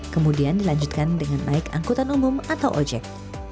kemudian dilanjutkan dengan naik angkutan umum atau ojek